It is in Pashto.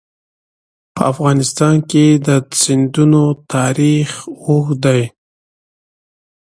په افغانستان کې د دریابونه تاریخ اوږد دی.